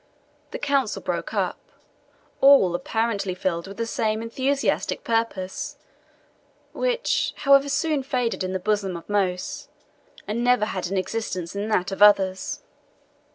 The Council broke up, all apparently filled with the same enthusiastic purpose which, however, soon faded in the bosom of most, and never had an existence in that of others.